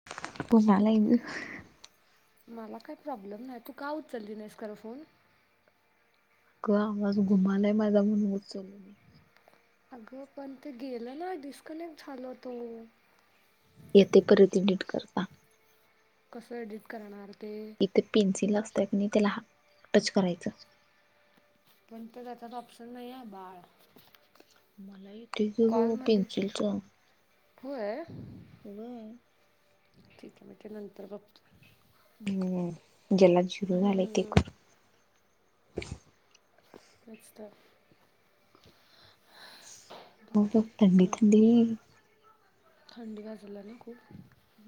[unintelligible] मला काय प्रॉब्लेम नाही, तू का उचलली नाहीस काल फोन? अग आवाज घुमालाय माझा म्हणून उचललो नाही. अगं पण ते गेलं ना डिस्कनेक्ट झाला तो. येतंय परत एडिट करता. कसं एडिट करणार ते? इथे पेन्सिल असतं कनई त्याला टच करायचं‌. पण ते त्याच्यात ऑप्शन नाही आहे बाळ. मला येतंय की ग कॉलमध्ये पेन्सिलच. होय... होय.. ठीके मी ते नंतर बघतो. हम ज्याला झिरो झालय ते हम्म, करू तेच तर.... हो बाकी हो थंडी थंडी निवांत. थंडी वाजायला रे खूप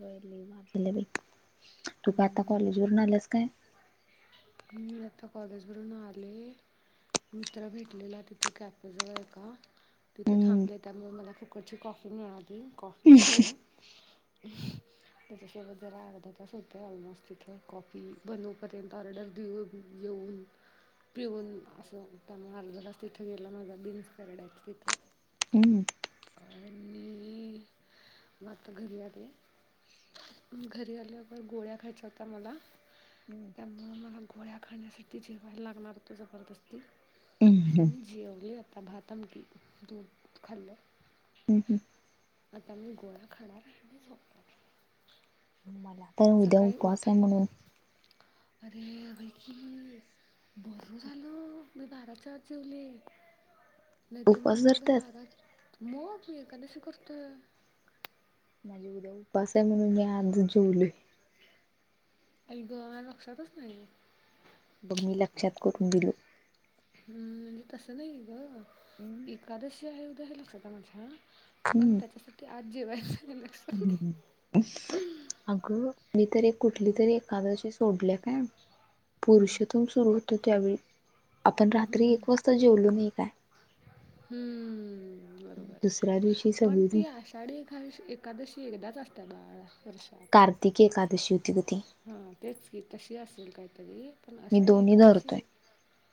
होय लय मार खाल्या बाई तू काय आता कॉलेजवरून आल्यास काय मी आता कॉलेज वरून आले. मित्र भेटलेला तिथे कॅफे जवळ एका तिथं हम्म थांबले त्यामुळे मला फुकटची कॉफी मिळाली कॉफी पिली [inaudible] त्याच्यासोबत जरा अर्धा तास होत ऑलमोस्ट तिथे कॉफी बनवूपर्यंत ऑर्डर [unintelligible] पिऊून असं त्यामुळे अर्धा तास तिथं गेला माझा बीन्स काडायचं तिथं [inaudible] आणि मग आता घरी आले. घरी आल्यावर गोळ्या खायच्या होत्या मला [unintelligible] त्यामुळ मला गोळ्या खाण्यासाठी जेवायला लागणार जबरदस्ती हम्म जेवले आता भाता आमटी दूध खाल्लं ह ह.. आता मी गोळा खाणार आणि झोपणार. मन आता उद्या सकाळी उपवास आहे उठायचं म्हणून अरे होय की बरं झालं मी बाराच्यात जेवले नाही तर मी उपवास एकदा धरत्यास? बारा मग मी एखादशी करतोय. माझे उद्या उपास आहे म्हणून मी आज जेवलोय. ऐ ग लक्षातच नाय बग मी लक्षात करून दिलो. हम म्हणजे तसं नाहीय ग [inaudible] एकादशी आहे उद्या हे लक्षात माझ्या पण त्याच्यासाठी आज जीवायच हे वीस हम अगं मी तर कुठली तर एकादशी सोडले काय हम्म, पुरुषातून सुरू होतो त्यावेळी आपण हम्म, हम्म, रात्री हम्म. एक वाजता जेवलो नाय काय हम मग बरोबर दुसऱ्या दिवशी पण सगळी ती अशा साधी एखादशी एखकादशी एकदाच असतात बाळा कार्तिकी एका जशी होती मोठी हा तेच की तशी असेल काहीतरी पण मी आषाढी दोन्ही धरतोय एकादशी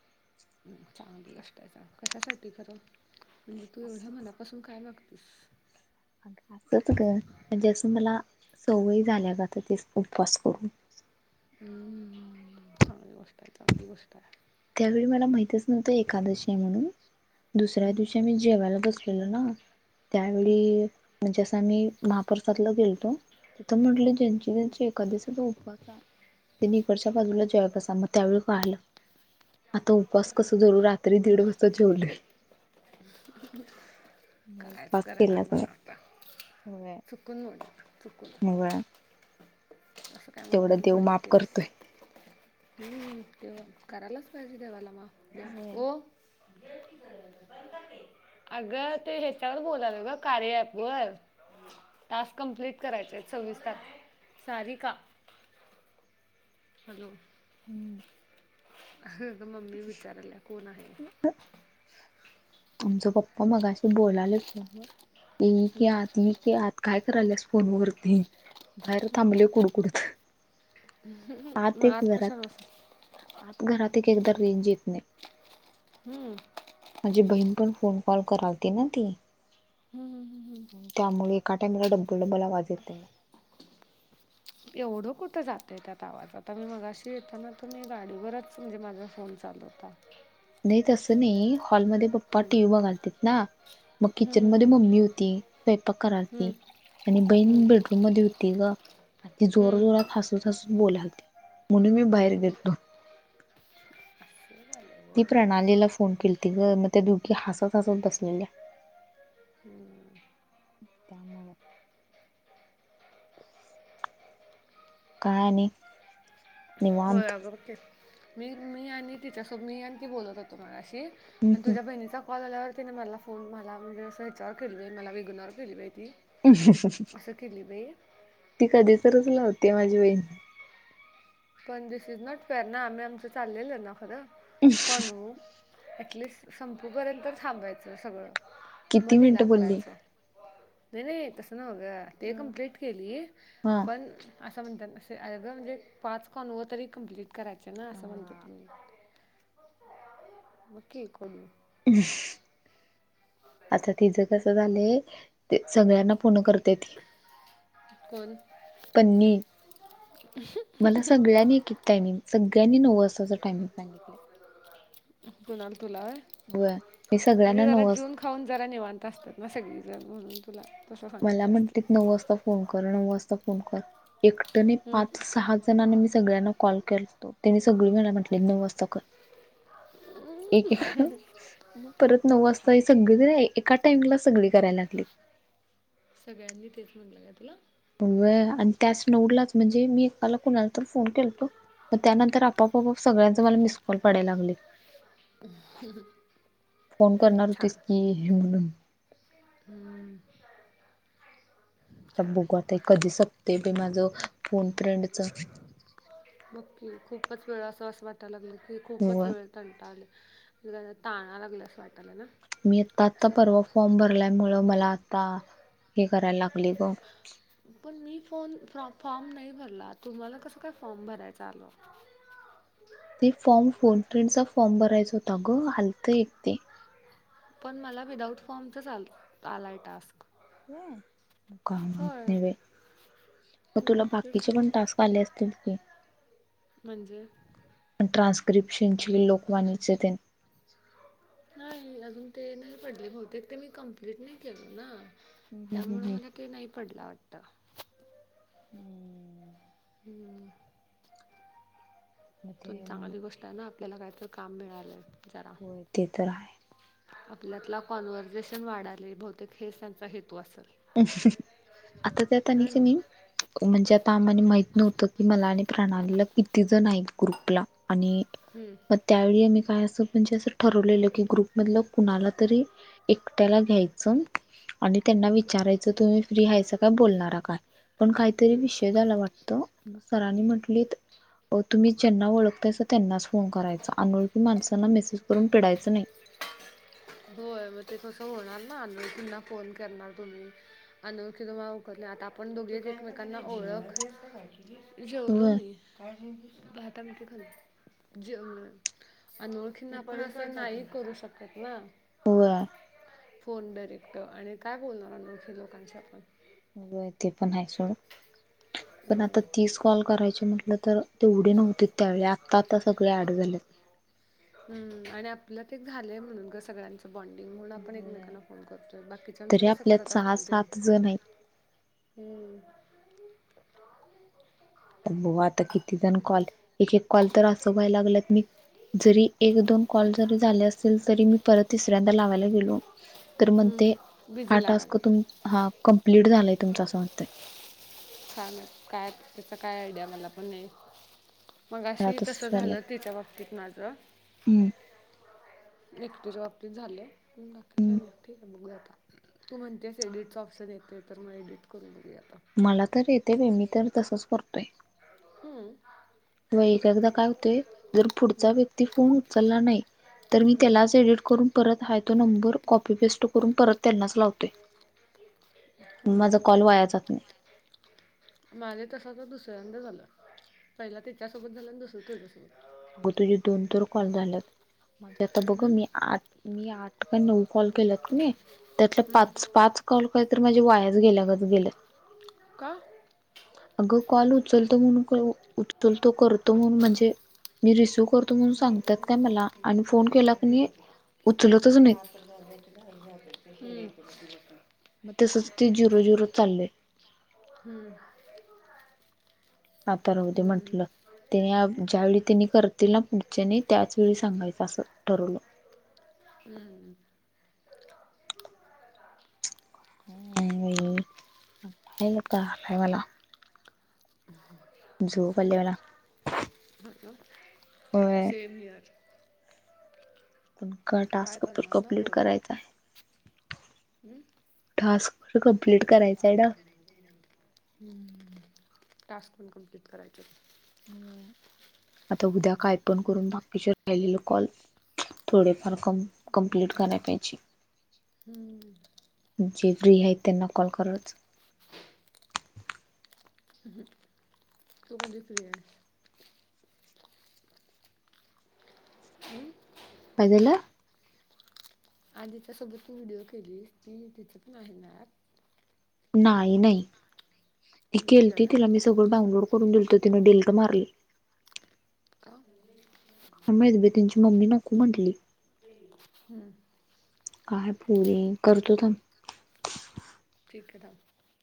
[inaudible] चांगलं गोष्ट आहे कशासाठी खरं म्हणजे तू एवढा असंच मनापासून का मागतोस आग आत्ताच ग म्हणजे असं मला सवयी झाल्या ते उपवास करून हम चांगली गोष्ट आहे चांगली गोष्ट आहे त्यावेळी मला माहितच नव्हतं एखकादशी म्हणून दुसऱ्या दिवशी आम्ही जेवायला बसलो केलो ना त्यावेळी म्हणजे असं आमी महाप्रसादला गेलो तो तिथं म्हटलं ज्यांचा ज्यांचा एकादशीचा उपवास त्यांनी कडच्या बाजूला जेवायला बसा मग त्यावेळी पाहिलं. आता उपवास बरं कसा धरू रात्री दीड वाजता जेवले मग कायच उपवास करणार केलाच नाही. [inaudible] होय चुकून वाट चुकून होय असं काय तेवढं मुद्दाम देव थोडीच माफ ना केलस. करतोय. हम करायलाच पाहिजे देवाला माफ होय. हो [unintelligible] अग ते हिच्यावर बोलायला ये ग कार्या ॲपवर टास्क कम्प्लीट करायचे सव्वीस ता सारी का हॅलो.. हम. अगंग मम्मी विचारायला कोण आहे. आमचा पप्पा मगाशी बोलाले फोन वर इ की आत इ की आत काय करायलस फोनवरती बाहेर थांबले कुडकुडत [unintelligible] आत हाईत कशाला घरात बसेल? आता घरात एक एकदा रेंज येत नाही. हम माझी बहीण पण फोन कॉल करालती ना ती हम्म. हम्म, हम्म. त्यामुळे एका टाईम ला डबल डब्बाला वाज ते एवढं कुठं जातं त्या आवाज आता मी मगाशी येताना तुम्ही गाडीवरच म्हणजे माझा फोन चालू होता. [inaudible] नाय तस नाही हॉल मध्ये पप्पा हम्म. टीव्ही बघायला तीत ना मग किचन मध्ये हम्म. मम्मी होती स्वयंपाक करालती हम्म. आणि हम्म. हम्म. बहीण बेडरूम मध्ये होती. ती ग आणि जोर हम्म. जोरात हसत हसत बोलायती म्हणून मी बाहेर गेलतो. असं झालं. ती प्रणालीला फोन केलती ग मग ते दोघी हसत हसत बसलेल्या त्यामुळं काय आणि होय निवांत अगं ओके मी मी आणि मी आणि तिच्या समय्या ऑंटी बोलत होतो मगाशी पण तुझ्या बहिणीचा कॉल आल्यावर तिने मला फोन मला म्हणजे विचार [unintelligible] केली आहे मला वेघूनवर केली पा आहे ती [unintelligible] असं केली बाई ती कधी तरच लावते माझी बहीण पण दिस इज नॉट फेरणाना आम्ही आमचं चाललेले ना परत कॉल वर ऍटलिस्ट संपे पर्यंत थांबायचं सगळं किती मग तिला मिनिटं बोलली करायचं नाही नाही तसं नाव ग ते कम्प्लीट केली हा पण असं म्हणतात असे अग म्हणजे पाच कॉल व तरी कम्प्लीट करायचे ना असं म्हणतो बाकी कोण [unintelligible] [inaudible] आता तिचं कसं झालंय ते सगळ्यांना फोन करत्या ती, कोण पण मी [unintelligible] मला सगळ्यांनी एक एक टायमिंग, सगळ्यांनी नऊ वाजताच टायमिंग सांगितलंय. कुणाला तिला होय मी सगळ्यांना म्हणजे मला नऊ वाज जेऊन खाऊन जरा निवांत असतात ना सगळीजण म्हणून तुला तसं सांगितलं असतील. आता फोन कर नऊ वाजता फोन कर. एकट नाही पाच सहा त्यांना आणि मी सगळ्यांना कॉल करतो. त्यानी सगळी मला म्हंटलीत नऊ वाजता कर. एके मग परत नऊ वाजता छान हे सगळी की नाही एका टाइमला सगळी करायला लागली. सगळ्यांनी तेच म्हणलं का तुला? व्हय आणि त्याच [unintelligible] म्हणजे मी एकाला कुणाला तर फोन केलतो. मग त्यानंतर आपोआपच सगळ्यांचं मला मिस कॉल पडायला लागलेत. फोन करणार होतीस की हे म्हणून हम्म. आता बघु आता कधी सपतय बाई माझं फोन फ्रेंडच. बघ की खूपच वेळ असं असं वाटायला लागलंय की खूपच होय वेळ कंटाळलोय. [unintelligible] ताणा लागल्या अस वाट मी आता आता परवा फॉर्म भरल्यामुळं मला आता हे करायला लागले ग. पण मी फोन फ-फॉर्म नाही भरला, तुम्हाला कसं काय फॉर्म भरायच आलं? ते फॉर्म फोन फ्रेंडचा फॉर्म भरायचा होता ग आलतं एक ते. पण मला विदाउट फॉर्मचाच आल आलाय टास्क. होय? काय माहित होय नाही बाई मग हम्म तुला तेच बाकीचे की पण टास्क आले असतील की. म्हणजे? आणि ट्रान्स्क्रिप्शनची, लोकवाणीचे तेन. नाही अजून ते नाही पडले बहुतेक ते मी कंप्लीट नाही केल ना. हम्म हम्म त्यामुळे हम्म मला काही नाही पडला वाटतं. हम्म. हम्म. मग ते पण चांगली गोष्ट आहे ना, आपल्याला काहीतरी काम मिळालंय जरा. होय ते तर आहे आपल्यातला कॉन्व्हर्झेशन वाढलंय बहुतेक हेच त्यांचा हेतू असेल. आता तर त्यांनी होय की ना नाही म्हणजे आता आम्हानी माहित नव्हतं की मला आणि प्रणालीला किती जण आहेत ग्रुपला. आणि हम्म. त्यावेळी आम्ही काय असं म्हणजे असं ठरवलेलं की ग्रुप मधलं कुणाला तरी एकट्याला घ्यायचं आणि त्यांना विचा रायच तुम्ही फ्री हायसाका बोलणार हाय काय, पण काहीतरी विषय झाला वाट तर सरांनी म्हटलीत अहो तुम्ही ज्यांना ओळखतायसा त्यांनाच फोन करायचा, अनोळखी माणसांना मेसेज करून पीडायचं नाही‌ होय मग ते कसं होणार ना अनोळखीना फोन करणार तुम्ही. अनोळखी तुम्हाला ओळखत नाही. आता आपण दोघी एकमेकांना ओळख जेवलो व्हय मी. काय जेवलीस? भात आमटी खाल्लो. जेवलोय अनोळखीना आपण असं, काही नाही करू शकत ना. व्हय फोन डायरेक्ट आणि काय बोलणार अनोळखी लोकांशी आपण. होय ते पण आहे सोड. पण आता हम्म तीस कॉल करायची म्हटलं तर, तेवढे नव्हते त्यावेळी आता आता सगळी ऍड झालेत. हम्म आणि आपलं ते झालंय म्हणून गं सगळ्यांच. बॉन्डिंग म्हणून आपण व्हय एकमेकांना फोन करतोय. तरी बाकीच्यांचं कसं आपल्यात करत सहा असतील ते. सात जण आहेत हम्म [inaudible] बघु आता किती जण कॉल एक एक. कॉल तर असं व्हाय लागल्यात, मी जरी एक दोन कॉल जरी झाले अस असल तरी मी परत तिसऱ्यांदा लावायला गेलो. तर मग ते हम्म हा बिझी टास्क लागाले तुम हा कम्पलीट झालाय तुमचा सांगतंय. काय माहित काय तेच, काय आयडिया मला पण नाही. मग मला अशी तसं तसंच झालंय झालं तेच्या बाबतीत माझं. हम्म एकटीच्या बाबतीत झालं [unintelligible] आता. तू म्हणतेस एडिटचा ऑप्शन येतोय, तर मग एडिट करून बघू आता. मला तर येते बाई, मी तर तसंच करतोय. हम्म. व्हय ऐक एकदा काय होतंय, जर पुढचा हम्म व्यक्ती फोन उचला नाही. तर मी हम्म त्यालाच एडिट करून, परत हाय तो नंबर कॉपीपेस्ट करून परत त्यांनाच लाव हम्म. कॉल वाया जात नाही माझे तसं तर दुसऱ्यांदा झालं, पहिल तिच्यासोबत झालं आणि दुसरं तुझ्यासोबत. अगं तुझे दोन तर कॉल झालेत, माझे आता बघ हम्म मी आठ मी आठ. का नऊ कॉल केल्यात कणी, त्यातल हम्म पाच पाच कॉल काही तर माझे वाया गेल्या गत गेल्यात. कां. अगं कॉल उचलतो म्हणून, उचलतो करतो म्हणून म्हणजे. मी रिसीव करतो म्हणून हम्म, सांगत्यात, काय मला आणि फोन केला कणी मग उचलतच नाही. हं. मग तसंच ते झिरो झिरो चालय. हम्म. आता राहू दे म्हंटलं तेने, ज्यावेेळी त्यांनी करतील ना पुढच्याने. त्यांच वेेळी सांगायचं असं ठरवलं. हम्म. [unintelligible] झोप आली मला. हो कां, होय सेम हियर. पण काय टास्क पण करणार ना कंप्लीट करायचाय. हम्म. टास्क पण कप्लीट करायचाय ना. हम. टास्क पण कप्लीट करायचेत. आता उद्या काय पण करून बाकीच्या. राहिलेलं कॉल, थोडेफार कम कम्पलीट करायला पाहिजे. हम्म. जे फ्री आहेत, त्यांना कॉल करायचं. [unintelligible] तु कधी फ्री आहे. हम्म काय झालं आधीच्या सोबत तु व्हिडिओ केली ती तिथंच नाही येणार नाही नाही ती केलती तुझ्याकडं तिला मी सगळं डाउनलोड करून दिलत तिनें डेल्ट मारल. हं काय माहित त्यांची मम्मी नको म्हंटली. ह हम्म काय पोरी करतो थांब. ठीक आहे लाव.